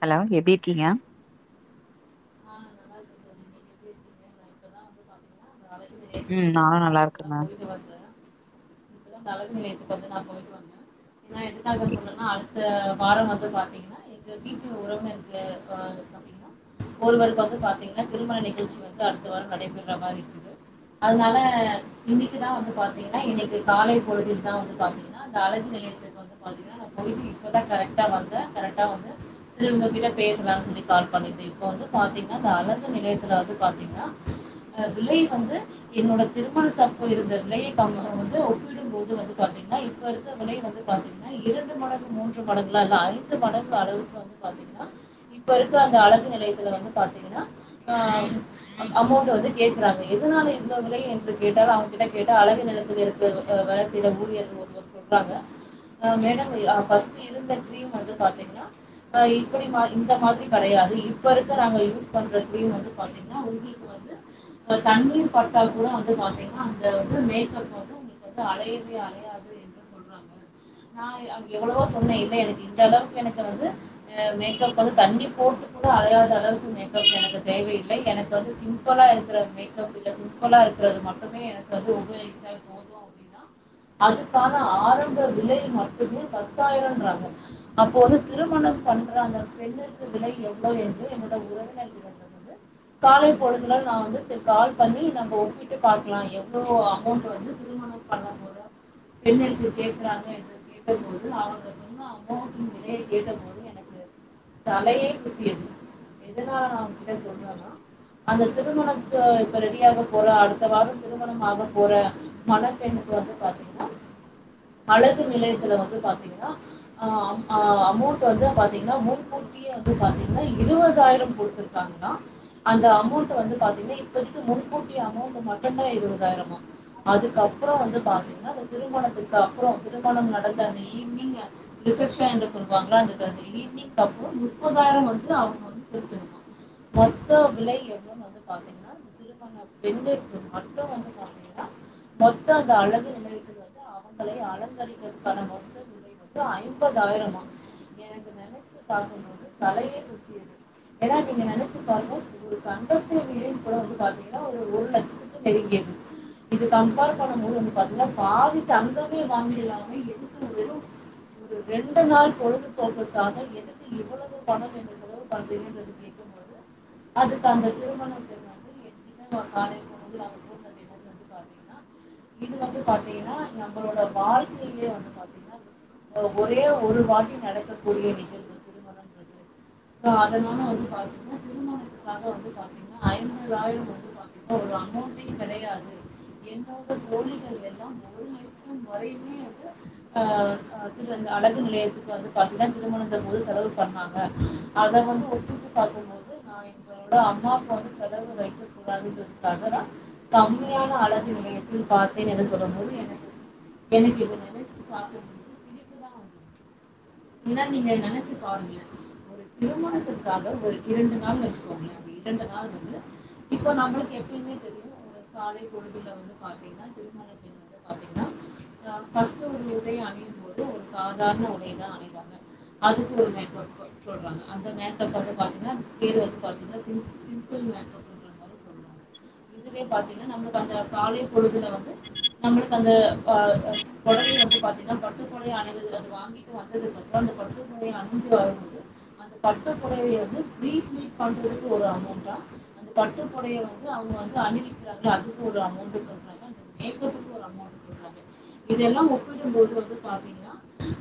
Hello எப்டி இருக்கீங்க ஆ நல்லா இருக்க தோழி நீங்க எப்டி இருக்கீங்க நா இப்பதான் வந்து பாத்தீங்கன்னா [unintelligible] ம் நானும் நல்லா இருக்கங்க இப்பதான் அந்த அலகு நிலயத்துக்கு வந்து நான் போயிட்டுவந்த ஏன்னா எதுக்காக சொல்லறன்னா அடுத்த வார வந்து பாத்தீங்கன்னா எங்க வீட்டு உறவினர்கள் வ பாத்தீங்கன்னா ஒருவருக்கு வந்து பாத்தீங்கன்னா திருமண நிகழ்ச்சி வந்து அடுத்த வாரம் நடைபெற மாரி இருக்குது அதனால இன்னிக்குதா வந்து பாத்தீங்ன்னா இன்னைக்கு காலை பொழுது தான் வந்து பாத்தீங்ன்னா நலங்கு [unintelligible] போயிட்டு இப்பதான் கரெக்டா வந்தேன் கரெக்டா வந்து செரி உங்க கிட்ட பேசலானு சொல்லி கால் பண்ணிட்டு இப்ப வந்து பாத்தீங்ன்னா இந்த அழகு நிலையத்துல வந்து பாத்தீங்ன்னா விலை வந்து என்னோட திருமண தப்ப இருந்த விலையை வந்து ஒப்பிடும் போது வந்து பாத் நீங்களா இப்ப இருக்குற விலை வந்து பாத்தீங்ன்னா இரண்டு மடங்கு மூன்று மடங்குலா இல்ல ஐந்து மடங்கு அளவுக்கு வந்து பாத் தீங்னா இப்ப இருக்க அந்த அழகு நிலைய குல வந்து பாத்தீங்ன்னா அமௌண்ட் வந்து கேட்குறாங்க எதனால இந்தவிலை என்று கேட் டா அவங்ககிட்ட கேட்டா அழகு நிலயத்துல இருக்குற வேல செய்யுற ஊழியர் ஒருவர் சொல்றாங்க ஆ மேடம் அ ஃபஸ்ட்டு இருந்த கிரீம் வந்து பாத்தீங்ன்னா அ இப்படி மா இந்த மாதிரி கெடையாது இப்ப இருக்கிறாங்க யூஸ் பண்ற கிரீம் வந்து பாத்தீங்ன்னா உங்குளுக்கு வந்து தண்ணீர் பட்டா கூட வந்து பாத்தீங்ன்னா அந்த வந்து மேக்கப் வந்து உங்களுக்கு வந்து அலையவே அலையாது என்று சொல்றாங்க நான் எவ்வளவோ சொன்னே இல்ல எனக்கு இந்த அளவுக்கு எனக்கு வந்து அ மேக்கப் வந்து தண்ணி போட்டு அழையாத அளவுக்கு மேக்கப் எனக்கு தேவையில்லை எனக்கு வந்து சிம்பிளா இருக்கிற மேக்கப் இல்ல சிம்பிளா இருக் குறது மட்டுமே எனக்கு வந்து உபயோகிச்சால் போது அப்டின்னா அதுக்கான ஆரம்ப விலை மட்டுமே பத்தாயிரன்றாங்க அப்போ வந்து திரும் மணம் பண்ற அந்த பெண்ணுக்கு விலை எவ்ளோ என்று என்னோட உறவினர் வந்து காலை பொழுதுல நா வந்து சேரி கால் பண்ணி நம்போ ஒப்பிட்டு பாக்லா எவ்ளோ அமௌண்ட் வந்து திருமணம் பண்ண போற பெண்ணிர்க்கு கேக்குறாங்க என்று கேட்ட போது அவுங்க சொன்ன அமௌன்ட் நிலைய கேட்டபோது எனக்கு தலையே சுத்தியது எதனால நான் உங்ககிட்ட சொல்றன்னா அந்த திருமணக்கு இப்ப ரெடியாக போற அடுத்த வாரோ திருமணமாக போற மனப்பெண்ணு வந்து பாத்தீங்னா அழகு நிலையத்துல வந்து பாத்தீங்ன்னா அ அ அமௌண்ட் வந்து பாத்தீங்ன்னா முன் கூட்டியே வந் து பாத்தீங்கனா இருபதாயிரொ குடுத்துருக்காங்கன்னா அந்த அமௌண்ட் வந்து பாத்தீங்கன்னா இப்ப இருக்க முன்கூட்டியே அமௌண்ட் மட் மொத்தமா இருவதாயிரமா அதுக்கப்றோ வந்து பாத்தீங்கன்னா அந்த திருமணத்துக்கு அப்றோ திருமணம் நடந்த அந்த ஈவினிங்க் ரிசப்ஷன் என்று சொல்லுவாங்களா அதுக்கு அந்த ஈவினிங்கப்பறோ முப்பதாயிர வந்து அவங்க வந்து செலுத்தனுமா மொத்த விலை எவ்ளோனு வந்து பாத்தீங்கன்னா திருமண பெண்ணுக்கு மட்டு வந்து பாத்தீங்கன்னா மொத்தோ அந்த அழகு நிலயத்துல வ ந்து அவங்களையே அலங்கரிக்கறதுக்கான மொத்த விலை வந்து ஐம்பதாயிரமா என எனக்கு நெனைச்சு பாக்கும்போது தலையே சுத்தி ஏனா நீங்க நெனச்சு பாருங்க ஒரு கண்டத்து வெளில் [unintelligible] பாத்தீங்கன்னா ஒரு ஒரு லட்சத்துக்கும் நெருங்கியது இது கம்பேர் பண்ணும் போது வந்து பாத்தீங்கன்னா பாதி தங்கமே வாங்கில்லாமே எதுக்கு வெரு ஒரு ரெண்டு நாள் பொழுதுபோகக்குகாக எதுக்கு இவ்ளோவு பணம் நீங்க செலவு பண்றீங்கறத கேக்கும் போது அதுக்கு அந்த திருமண பெண் வந்து என்ன நா காலைல வந்து நாங்க போம்போது [unintelligible] [inaudible] இது வந்து பாத்தீங்கன்னா நம்மளோட வாழ்க்கையிலயே வந்து பாத்தீங்கன்னா ஒரே ஒரு வாட்டி நடக்கக்கூடிய நிகழ்வு திருமணங்குறது சோ அதனால வந்து பாத்தீங்கனா திருமணத்துக்காக வந்து பாத்தீங்கன்னா ஐம்பதாயிறம் வந்து பாத் இப்போ ஒரு அமௌண்டே கெடையாது என்னோட தோழிகள் எல்லா ஒரு லட்சம் வரையுமே அது அ அது வந் து அலகு நிலையத்துறக்ஷக்கு வந்து பாத்தீங்கன்னா திருமணம்குற போது செலவு பண்ணாங்க அத வந்து ஒப்பிட்டு பாக்கும் போது ஆ எங்களோட அம்மாவுக்கு வந்து செலவு வைக்க கூடாதுன்றதுக்காக தா கம்மியான அளவு நிலையத்தில் பாத்தேன் என்று சொல்லும் போது எனக்கு எனக்கு இது நெனைச்சு பாக்கும் போது சிரிப்பு தா வந்தது ஏன்னா நீங்க நெனைச்சு பாருங்களே ஒரு திருமணத்திற்காக ஒரு இரண்டு நாள் வச்சுக்கோங்களே அந்த இரண்டு நாள் வந்து இப்போ நம்மளுக்கு எப்பயுமே தெரியு காலை பொழுதுல வந்து பாத்தீங்கன்னா திருமணத்தை வந்து பாத்தீங்கன்னா நா ஃபர்ஸ்ட் ஒரு உடைய அணியும் போது ஒரு சாதாரண உடைய தா அணிவாங்க அது [unintelligible] மேக்கப்பு சொல்லுவாங்க அந்த மேக்கப் வந்து பாத்தீங்கன்னா பேர் வந்து பாத்தீங்கன்னா சிம் சிம்பிள் மேக்கப் [unintelligible] இந்த மாரி சொல்லுவாங்க இதுவே பாத்தீங்கன்னா நமக்கு அந்த காலை பொழுதுல வந்து நம்மளுக்கு அந்த அ அ பொடவை வந்து பாத்தீங்கன்னா பட்டு பொடவைய அனைவது வாங்கிட்டு வந்ததுக்கப்புறோ அந்த பட்டு [unintelligible] அந்த பட்டுப் பொடவைய வந்து ப்ரீ ஃப்ளிட் பண்றதுக்கு ஒரு அமௌண்டா அந்த பட்டு பொடவைய வந்து அவங்க வந்து அனுவிக்கிறாங்கள அதுக்கு ஒரு அமௌண்ட்டு சொல்றாங்க மேக்கப்புக்கு ஒரு அமௌன்ட் சொல்றாங்க இதெல்லா ஓப்பிடும்போது வந்து பாத்தீங்கன்னா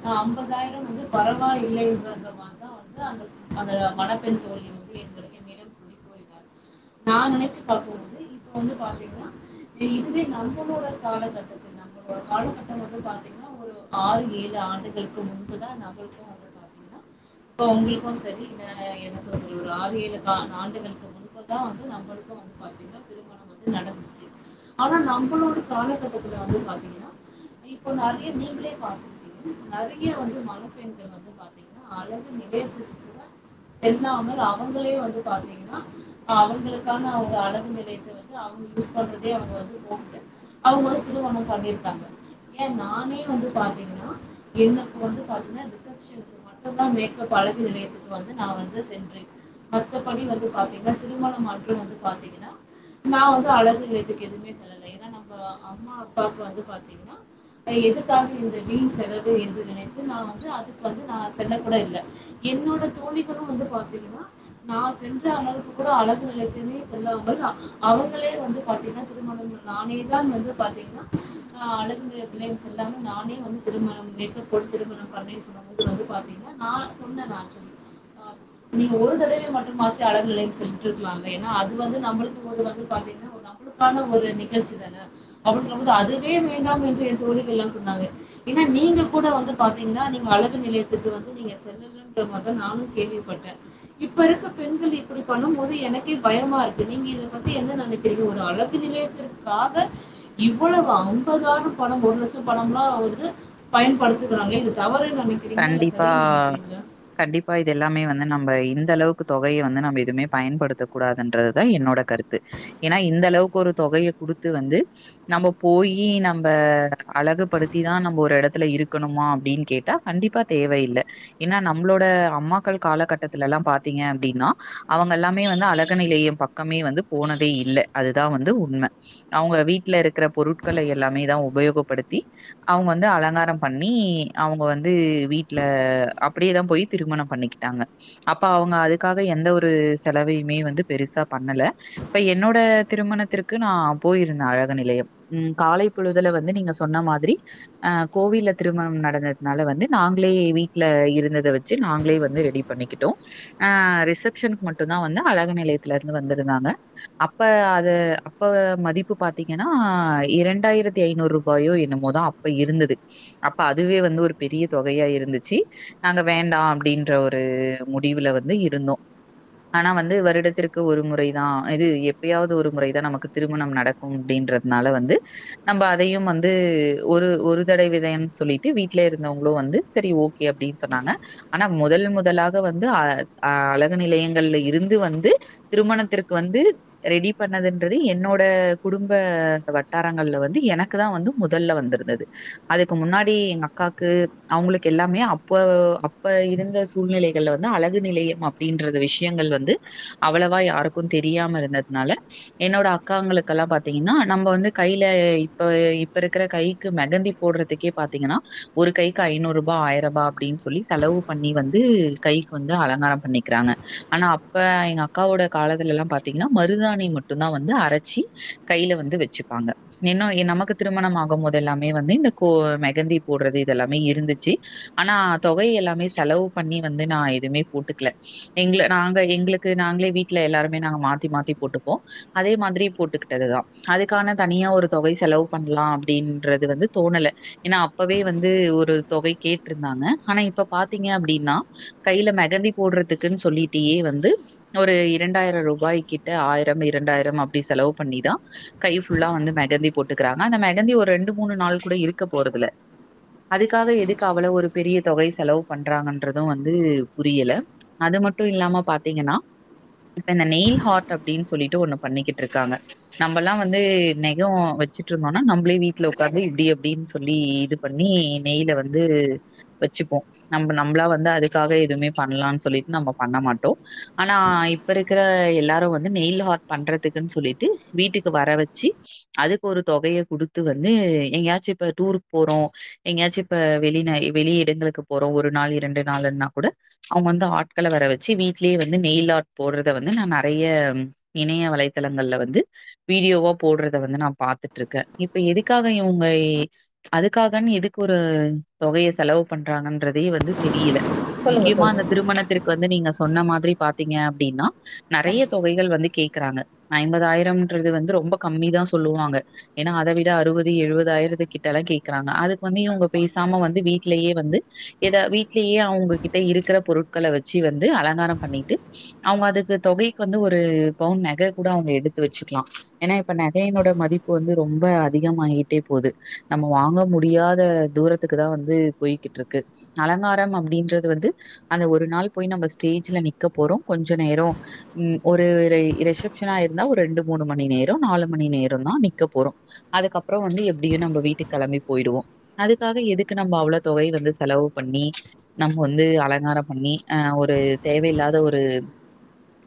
அ அம்பதாயிரம் வந்து பர வா இல்லைன்றத வந்து அந்த அந்த மனப்பெண் தோழி வந்து எங்களுக்கு [unintelligible] கூறினார் நா நெனச்சு பாக்கும்போது இப்போ வந்து பாத்திங்கன்னா இதுவே நம்மளோட காலகட்டத்துல ந ம்மளோட காலகட்டம் வந்து பாத்தீங்கன்னா ஒரு ஆறு ஏழு ஆண்டுகளுக்கு முன்பு தா நகைக்கு பாத்தீங்கன்னா இப்போ உங்களுக்கு சரி ஆ எனக்கு சரி ஒரு ஆறு ஏழு கா ஆண்டுகளுக்கு முன்புதா வந்து நம்ம ளுக்கு வந்து பாத்தீங்கன்னா திருமணம் வந்து நடந்துச்சு ஆனா நம்மளோட காலகட்டத்துல வந்து பாத்தீங்கன்னா இப்போ நெறைய நீங்களே பாத்துருப்பீங்க நெறைய வந்து மனப்பெண்கள் வந்து பாத்தீங்கன்னா அழகு நிகழ்சுக்கு கூட [unintelligible] அவங்களே வந்து பாத்தீங்கன்னா அவங்களுக்கான ஒரு அழகு நிலையத்த வந்து அவங்க யூஸ் பண்றதே அவங்க வந்து போட்டு அவங்க வந்து திருமணம் பண்ணிருக்காங்க ஏ நானே வந்து பாத்தீங்கன்னா எனக்கு வந்து பாத்தீங்கன்னா ரிசப்ஷன் கு மட்டுதா மேப் அழகு நிலையத்துக்கு வந்து நா வந்து சென்றே மத்தபடி வந்து பாத்தீங்கன்னா திரும ணம் மறுபடியு வந்து பாத்தீங்கன்னா நா வந்து அழகு எதுக்கு எதுவுமே சொல்லலை ஏன்னா நம்ம அம்மா அப்பாவுக்கு வந்து பாத்தீங்கன்னா எதுக்காக இந்த வீண் செலவு என்று நினைத்து நான் வந்து அது வந்து நா செல்ல கூட இல்ல என்னோட தோழிகளு வந்து பாத்தீங்கன்னா நா சென்ற அளவுக்கு கூட அழகு நிலையத்திலமே செல்லுவாங்கல்லா அவுங்களே வந்து பாத்தீங்கன்னா திருமண நானே தா வந்து பாத்திங் ஆ அழகுநிலையம் செல்லாம நானே வந்து திருமணமேக்கப் போட்டு திருமணம் பண்ணே து வந்து பாத்தீங்கன்னா நா சொன்னே நான் சொல்லி நீங்க ஒரு தடவை மற்றும் மாச்சு அழகு நிலையம் சென்றுட் வாங்க ஏன்னா அது வந்து நம்மளுக்கு போது வந்து பாத்தீங்க நம்மளுக்கான ஒரு நிகழ்ச்சி தான அப்டி சொல்லும் போது அதுவே வேண்டாம் என்று என்தோழிகள் எல்லாம் சொன்னாங்க ஏன்னா நீங்க கூட வந்து பாத்தீங்கன்னா நீங்க அழகு நிலையத்துக்கு வந்து நீங்க செல்லலன்ற மாரிதா நானு கேள்விப்பட்டே இப்ப இருக்க பெண்கள் இப்புடி பண்ணும் போது எனக்கே பயமா இருக்கு நீங்க இத பத்தி என்ன நெனக்கிறீங்க ஒரு அழகு நிலையத்திற்காக இவ்வளவு அம்பதாயிரம் பணம் ஒரு லட்சம் பணம்லா வந்து பயன்படுத்துகுறாங்க இது தவறுன்னு நினைக்கிறீங்களா இல்ல கண்டிப்பா சரின்னு நினைக்கிறீங்களா கண்டிப்பா இது எல்லாமே வந்து நம்ம இந் அந்த அளவுக்கு தொகைய வந்து நம்ம எதுவுமே பயன்படுத்தக் கூடாதுன்றதுதா என்னோட கருத்து என இந்த அளவுக்கு ஒரு தொக தொகைய குடுத்து வந்து நம்ம போயி நம்ம அழகுப்படுத்திதா நம்ம ஒரு எடத்துல இருக் இருக்கணுமா அப்டீன் கேட்டா கண்டிப்பா தேவை இல்ல ஏன்னா நம்மளோட அம்மாக்கள் காலகட்டத்துலெல்லா பாத்தீங்க அப்டின்னா அவங் ங்க எல்லாமே வந்து அழகு நிலையம் பக்கமே வந்து போனதே இல்ல அதுதா வந்து உண்ம அவுங்க வீட்டுல இருக்குற பொருட்கள எல்லாமே தா உபயோகப்படுத்தி அவுங்க வந்து அலங்காரோ பண்ணி அவுங்க வந் ந்து வீட்ல அப்டியேதா போயி திருமணம் பண்ணிக்கிட்டாங்க அப்ப அவுங்க அதுக்காக எந்த ஒரு ந்து செலவையுமே வந்து பெருசா பண்ணல இப்ப என்னோட திருமணத்திற்கு நா போயிருந்தே அழகு நிலை லயம் ம் காலை பொழுதுல வந்து நீங்க சொன்ன மாதிரி ஆ கோவில்ல திருமணம் நடந்தது அதுனால வந்து நாங்களே வீட்ல இருந்தத வச்சு நாங்களே வந்து ரெடி பண்ணிக்கிட்டோ அ ரிசப்ஷன் க்கு மட்டுந்தா வந்து அழகு நிலையத்துல இருந்து வந்துருந்தாங்க அப்ப அது அப்ப மதிப்பு பாத்திங் ங்கன்னா இரண்டாயிரத்தி ஐநூறு ரூபாயோ என்னமோதா அப்ப இருந்தது அப்ப அதுவே வந்து ஒரு பெரிய தொகையா இருந்துச்சு நாங்க வேண்டா அப்டீன்ற ஒரு முடிவுல வந்து இருந்தோ ஆனா வந்து வருடத்திற்கு ஒரு முறைதா இது எப்பையாவது ஒரு முறைதா நமக்கு திருமணம் நடக்கும் அப்டின் ன்றதுனால வந்து நம்ப அதையு வந்து ஒரு ஒரு தடை விதயம்னு சொல்லிட்டு வீட்லயே இருக் இருந்தவுங்களு வந்து செரி ஓகே அப்டினு சொன்னாங்க ஆனா முதல் முதலாக வந்து அ அழகுநிலை நிலையங்கல்ல இருந்து வந்து திருமணத்திற்கு வந்து ரெடி பண்ணதுன்றது என்னோட குடும்ப ப வட்டாரங்கள்ல வந்து எனக்குதா வந்து முதல்ல வந்துருந்தது அதுக்கு முன்னாடி எங்க அப் அக்காக்கு அவுங்களுக்கு எல்லாமே அப்ப அப்ப இருந்த சூழ்நிலைகள்ல வந்து அழகு நிலையம் அப்டின் ன்ற விஷயங்கள் வந்து அவ்வளவா யாருக்கும் தெரியாம இருந்ததுனால என்னோட அக்காங்களுக்கெல்லா பா பாத்தீங்கன்னா நம்ம வந்து கையில இப்ப இப்ப இருக்குற கைக்கு மெகந்தி போடுறதுக்கே பாத்தீங்கன்னா ஒரு கைக்கு ஐநூறு ரூபா ஆயிர ரூபா அப்டின்னு சொல்லி செலவு பண்ணி வந்து கைக்கு வந்து அலங்காரம் பண்ணிக்கிறாங்க ஆனா அப்ப எங்க அக்காவோட காலத்துலெல்லா பாத்தீங்கன்னா மருதாணி மட்டுந்தா வந்து அரச்சி கைல வந்து வச்சுப்பாங்க இன்னோ நமக்கு திருமணம் ஆகும் போது எல்லாமே வந்து இந்த கோ மெகந்திப் போடுறது இது எல்லாமே இருந்துச்சு ஆனா தொகை எல்லாமே செலவு பண்ணி வந்து நா எதுவுமே போட்டுக்ல நீங்ளு நாங்க எங்களுக்கு நாங்களே வீட்டுல எல்லாருமே நாங்க மாத்தி மாத்தி போட்டுப்போம் அதே மாதிரி போட்டுக் ட்டதுதா அதுக்கான தனியா ஒரு தொகை செலவு பண்ணலா அப்டின்றது வந்து தோணல ஏன்னா அப் இப்பவே வந்து ஒரு தொகை கேட்ருந்தாங்க ஆனா இப்ப பாத்தீங்க அப்டின்னா கைல மெகந்தி போடுற த்துக்குன்னு சொல்லிட்டியே வந்து ஒரு இரண்டாயிர ரூபாய் கிட்ட ஆயிரம் இரண்டாயிரம் அப்டி செலவு பண்ணிதா கை ஃபுல்லா வந்து மெகந்தி போட்டுக்குறாங்க அந்த மெகந்தி ஒரு ரெண்டு மூணு நாள் கூட இருக்க போறதுல்ல அதுக்காக எதுக்கு அவ்வளவு ஒரு பெரிய தொகை செலவு பண்றாங்கன்றது வந்து புரியல அது மட்டு இல்லாம பாத்தீங்கன்னா இப்ப இந்த நெயில் ஹார்ட் அப்டின்னு சொல்லிட்டு ஒண்ணு பண்ணிக்கிட்டு இருக்காங்க நம்பல்லா வந்து நெகோ வள வச்சுட்டு இருந்தோன்னா நம்ளே வீட்டுல உட்காந்து இப்டி எப்டின்னு சொல்லி இது பண்ணி நெய்ல வந்து வச்சுப்போம் நம்ம நம்மளா வந்து அதுக்காக எதுவுமே பண்ணலானு சொல்லிட் நம்ம பண்ண மாட்டோ ஆனா இப்ப இருக்குற எல்லாரு வந்து நெயில் ஹார்ட் பண்றதுக்குன்னு சொல்லிட்டு வீட்டுக்கு வர வச்சு அதுக்கு ஒரு தொகய குடுத்து வந்து எங்கயாச்சு இப்ப டூருக்கு போறோ எங்கயாச்சு இப்ப வெளினாய் வெளி இடங்களுக்கு போறோ ஒரு நாள் இரண்டு நாளுன்னா கூட அவுங்க வந்து ஆட் கள வர வச்சு வீட்லயே வந்து நெய்ல் ஆட் போட்றத வந்து நா நெறைய இணைய வலைத்தளங்கல்ல வந்து வீடியோவா போட்றத வந்து நா பாத்துட்டுருக்கே இப்ப எதுக்காக இவுங்க அதுக் க்காக எதுக்கு ஒரு தொகய செலவு பண்றாங்கன்றதே வந்து தெரியல சொல்லுங்க முக்கியமா தோழி அந்த திருமணத்திற்கு வந்து நீங்க சொன்ன மாதிரி பாத்தீங்க அப்டின்னா நெறைய தொகைகள் வந்து கேட்குறாங்க ஐம்பதாயிரம்ன்றது வந்து ரொம்ப கம்மி தா சொல்லுவாங்க ஏன்னா அத விட அறுவது எழுவதாயிரத்து கிட்டல்லா கே குறாங்க அதுக்கு வந்து இவுங்க பேசாம வந்து வீட்லயே வந்து எதா வீட்லயே அவுங்ககிட்ட இருக்குற பொருட் கள வச்சு வந்து அலங்காரம் பண்ணிட்டு அவுங்க அதுக்கு தொகைக்கு வந்து ஒரு பவுன் நக கூட அவுங்க எ எடுத்து வச்சுக்கலா ஏன்னா இப்ப நகையினோட மதிப்பு வந்து ரொம்ப அதிகமாயிட்டே போது நம்ம வாங்க முடியாத தூரத்துக்கு தா வந்து போய்கிட்டு இருக்கு அலங்காரம் அப்டின்றது வந்து அந்த ஒரு நாளு போய் நம்ம ஸ்டேஜ்ல நிக்க போறோ கொஞ்ச நேரோ ம் ஒரு ரிசப்ஷனா இருந்தா ஒரு ரெண்டு மூணு மணி நேரோ நாலு மணி நேரோ தா நிக்க போறோ அதுக்கப்பறோ வந்து எப்டியோ நம்ம வீட்டுக் கெளம்பி போய்டுவோ அதுக்காக எதுக்கு நம்ம அவ்ளோ தொகை வந்து செலவு பண்ணி நம்ம வந்து அலங்கா [unintelligible] பண்ணி அ ஒரு தேவயில்லாத ஒரு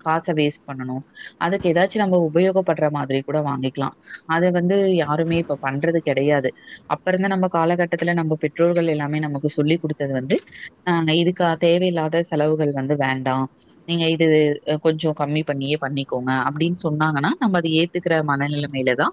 காச வேஸ்ட் பண்ணணு அதுக்கு ஏதாச்சு நம்ம உபயோகப்பட்ற மாதிரி கூட வாங்கிக்லா அத வந் து யாருமே இப்ப பண்றது கெடையாது அப்ப இருந்த நம்ம காலகட்டத்துல நம்ம பெற்றோர்கள் எல்லாமே நமக்கு சொல்லி் குடுத்தது வந்து ஆ ன இதுக்கா தேவையில்லாத செலவுகள் வந்து வேண்டா நீங்க இது கொஞ்சோ கம்மி பண்ணியே பண்ணிக்கோங்க அப்டினு சொன்னாங்கன்னா நம்ம அது ஏத்துக்கிற மனநிலமையில தா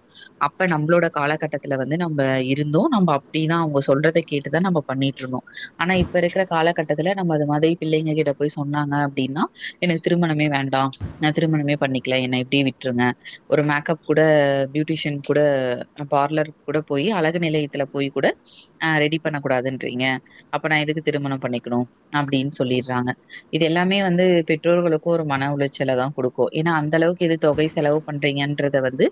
அப்ப நம்மளோட காலகட்டத்துல வந்து நம் நம்ப இருந்தோ நம்ப அப்டிதா அவுங்க சொல்றத கேட்டுதா நம்ப பண்ணிட்டிருந்தோ ஆனா இப்ப இருக்குற காலகட்டத்துல நம்ம அது மாதிரி பிள்ளைங்க கிட்ட போய் சொன்னாங்க அப்டின்னா எனக்கு திருமணமே வேண்டா நா திருமணமே பண்ணிக்கல ல என்ன இப்டியே விட்டுருங்க ஒரு மேக்கப் கூட பியூட்டிஷியன் கூட பார்லர் கூட போய் அழகு நிலையத்துல போய் கூட அ ரெடி பண்ணக்கூடாதுன்றீங்க அப்ப நா எதுக்கு திருமணம் பண்ணிக் க்கனு அப்டினு சொல்லிற்றாங்க இது எல்லாமே வந்து பெற்றோர்களுக்கு ஒரு மன உளைச்சல தா குடுக்கு நா அந்த அளவுக்கு எது தொகை செலவு பண்றீங்கன்றத வந்து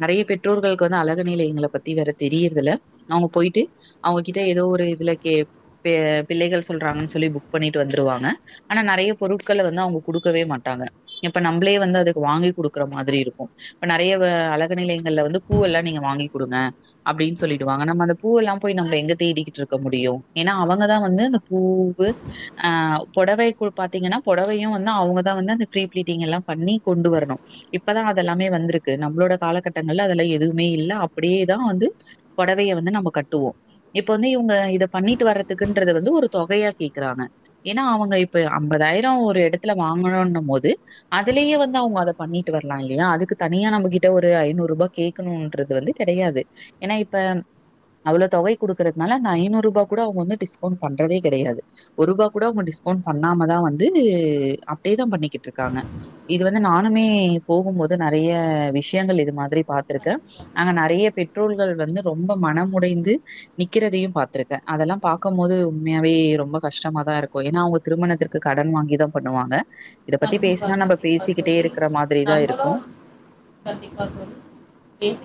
நெறைய அ பெற்றோர்களுக்கு வந்து அழகு நிலையங்கள பத் தி வேற தெரியறதுல அவுங்க போய்ட்டு அவுங்ககிட்ட ஏதோ ஒரு இதுல கே பெ பிள்ளைகள் சொல்ற றாங்கன் சொல்லி புக் பண்ணிட்டு வந்துருவாங்க ஆனா நெறைய பொருட்கள வந்து அவுங்க குடுக்கவே மாட்டாங்க இப்ப நம்பளே வ வந்து அதுக்கு வாங்கி குடுக்குற மாதிரி இருக்கு இப்ப நெறைய வ அழகு நிலையங்கள்ல வந்து பூவல்லா நீங்க வாங்கி குடுங்க அப்டின் சொல்லிடுவாங்க நம்ம அந்த பூவல்லா போய் நம்ம எங்க தேடிக்கிட்டு இருக்க முடியு ஏன்னா அவங்கதா வந்து அந்த பூ பூவு அ பொடவை கு பாத்தீங்கன்னா பொடவையு வந்து அவுங்கதா வந்து அந்த ஃப்ரீ பீல்டிங் எல்லா பண்ணி கொண்டு வரணு இப்பதா அதல்லாமே வந்ருக்கு நம்மளோட காலகட்டங்கள்ல அதல்லா எதுமே இல்ல அப்டியே தா வந்து பொடவய வந்து நம்ம கட்டுவோ இப்ப வந்து இவுங்க இத பண்ணிட்டு வர்றதுக்குன்றது வந்து ஒரு தொ தொகையா கேக்குறாங்க ஏன்னா அவுங்க இப்ப அம்பதாயிரோ ஒரு எடத்துல வாங்கணுன போது அதுல யே வந்து அவுங்க அத பண்ணிட்டு வரலா இல்லயா அதுக்கு தனியா நம்ம கிட்ட ஒரு ஐநூறுபா கேக்கணூன்றது வந்து கெடையாது ஏன்னா இப்ப அவளோ தொகை குடுக்கறதுனால அந்த ஐநூறு ரூபா கூட அவுங்க வந்து டிஸ்கவுண்ட் பண்றதே கெடையாது ஒரு ருபா கூட அவுங்க டிஸ் ஃபோன் பண்ணாமதா வந்து அப்டியேதா பண்ணிக்கிட்ருக்காங்க இது வந்து நானுமே போகும் போது நெறைய விஷ்யங்கள் இது மாதிரி பாத்துருக்கே அங்க நெறைய பெ பெற்றோர்கள் வந்து ரொம்ப மனம் உடைந்து நிக்கிறதயு பாத்ருக்கே அதல்லா பாக்கம் போது உண்மையாவே ரொம்ப கஷ்டமா தா இருக்கு ஏன்னா அவுங்க திருமணத்திற்கு கடன் வாங்கி தா பண்ணுவாங்க இத பத்தி கண்டிப்பா, பேஸ்னா நம்ம கண்டிப்பா பேசிக்கிட்டே தோழி. இருக்ற மாதிரிதா இருக்கு நம்பளும் கண்டிப்பா தோழி பேசி